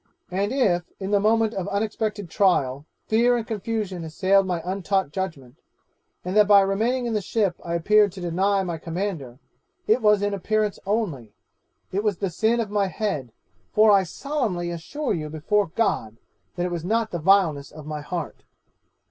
And if, in the moment of unexpected trial, fear and confusion assailed my untaught judgement, and that by remaining in the ship I appeared to deny my commander, it was in appearance only it was the sin of my head for I solemnly assure you before God, that it was not the vileness of my heart.